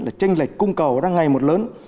là tranh lệch cung cầu đang ngày một lớn